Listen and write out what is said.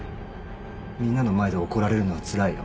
みんなの前で怒られるのはつらいよ。